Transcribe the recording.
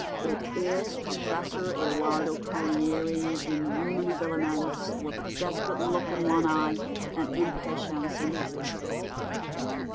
It is Professor Eduardo Collieri, in human habiliments, with a desperate look in one eye and impatience in the other.